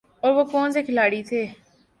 اور وہ کون سے کھلاڑی تھے ۔